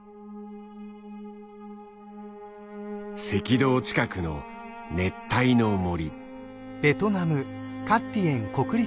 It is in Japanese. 赤道近くの熱帯の森。